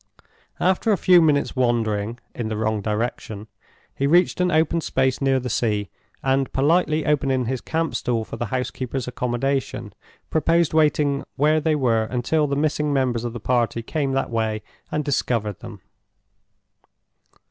After a few minutes' wandering (in the wrong direction), he reached an open space near the sea; and politely opening his camp stool for the housekeeper's accommodation, proposed waiting where they were until the missing members of the party came that way and discovered them.